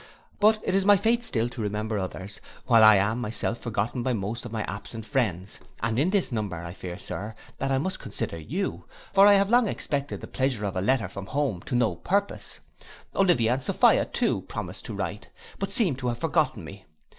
But it is my fate still to remember others, while I am myself forgotten by most of my absent friends, and in this number, I fear, Sir, that I must consider you; for I have long expected the pleasure of a letter from home to no purpose. Olivia and Sophia too, promised to write, but seem to have forgotten me.